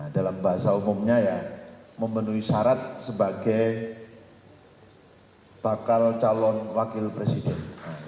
dalam bahasa umumnya ya memenuhi syarat sebagai bakal calon wakil presiden